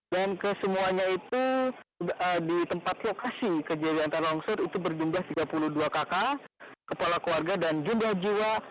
dan kesemuanya itu di tempat lokasi kerja di antara longsor itu berjumlah tiga puluh dua kakak kepala keluarga dan jumlah jua satu ratus tujuh